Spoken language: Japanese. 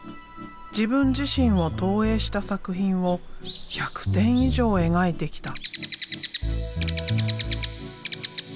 自分自身を投影した作品を１００点以上描いてきた。